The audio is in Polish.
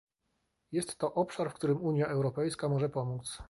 Jest to obszar, w którym Unia Europejska może pomóc